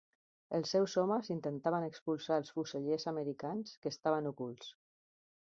Els seus homes intentaven expulsar els fusellers americans que estaven ocults.